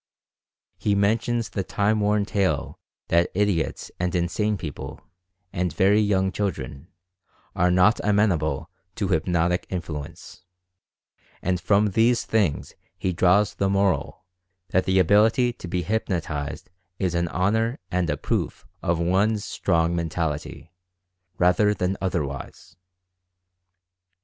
He mentions the time worn tale that idiots and insane people, and very young children, are not amen able to hypnotic influence, and from these things he draws the moral that the ability to be hypnotized is an honor and a proof of one's strong mentality, rather than otherwise.